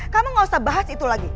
kamu gak usah bahas itu lagi